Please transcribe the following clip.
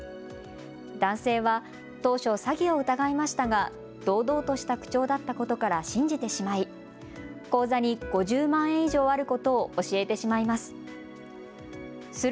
男性は当初、詐欺を疑いましたが堂々とした口調だったことから信じてしまい口座に５０万円以上あることを教えてしまいます。